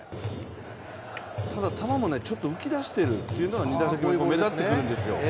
ただ、球もちょっと浮き出しているというのが２打席目、目立ってくるんですよ。